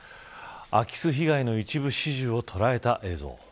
空き巣被害の一部始終を捉えた映像。